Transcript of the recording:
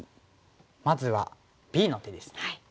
まずはＢの手ですね。